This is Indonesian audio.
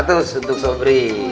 seratus untuk sabri